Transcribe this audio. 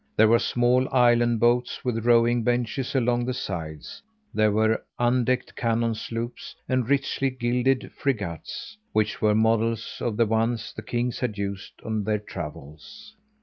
There were small island boats with rowing benches along the sides; there were undecked cannon sloops and richly gilded frigates, which were models of the ones the kings had used on their travels.